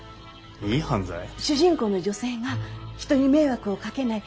いい犯罪？主人公の女性が人に迷惑をかけない